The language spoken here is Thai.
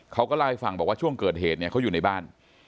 เขาก็ลายฟังบอกว่าช่วงเกิดเหตุเขาอยู่ในบ้าน